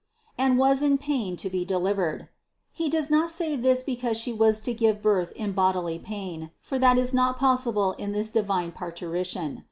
102. "And was in pain to be delivered." He does not say this because She was to give birth in bodily pain, for that is not possible in this divine Parturition.